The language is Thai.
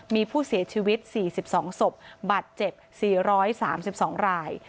มีผู้เสียชีวิต๔๒ศพบาดเจ็บ๔๓๒ราย